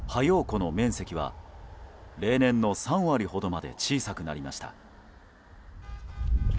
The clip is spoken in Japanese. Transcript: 湖の面積は例年の３割ほどまで小さくなりました。